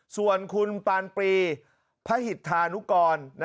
ส่วนคุณปานปรีพระหิตธานุกร